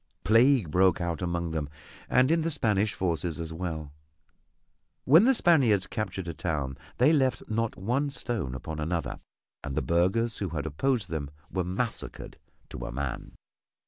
Plague broke out among them and in the Spanish forces as well. When the Spaniards captured a town they left not one stone upon another, and the burghers who had opposed them were massacred to a man.